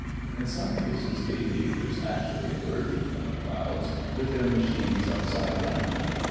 In some cases aviators actually emerged from the clouds with their machines upside down.